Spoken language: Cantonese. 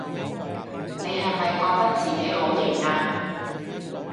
你係咪覺得自己好型吖？